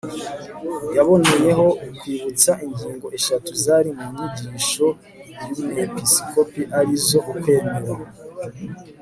yaboneyeho kwibutsa ingingo eshatu zari mu nyigisho y'umwepiskopi arizo ukwemera